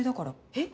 えっ？